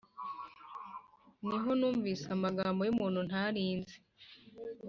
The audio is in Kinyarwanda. Niho numvise amagambo yumuntu ntarinzi